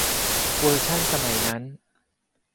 เวอร์ชั่นสมัยนั้น